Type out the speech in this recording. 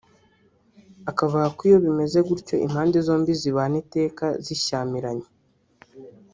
akavuga ko iyo bimeze gutyo impande zombi zibana iteka zishyamiranye